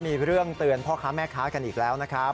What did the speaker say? มีเรื่องเตือนพ่อค้าแม่ค้ากันอีกแล้วนะครับ